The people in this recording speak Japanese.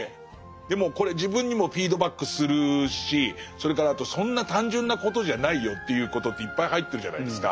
でもこれ自分にもフィードバックするしそれからあとそんな単純なことじゃないよっていうことっていっぱい入ってるじゃないですか。